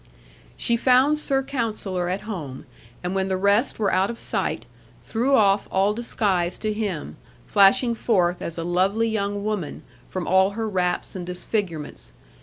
She found Sir Counsellor at home, and when the rest were out of sight, threw off all disguise to him, flashing forth as a lovely young woman, from all her wraps and disfigurements.